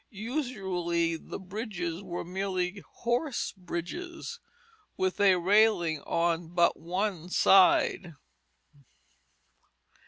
Usually the bridges were merely "horse bridges" with a railing on but one side.